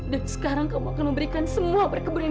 dan sekarang kamu akan memberikan semua perkebunan ini